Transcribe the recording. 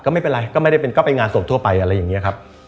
ก็ไม่เป็นไรก็ไม่ได้เป็นก็ไปงานศพทั่วไปอะไรอย่างนี้ครับ